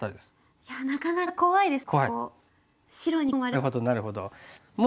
いやなかなか怖いですね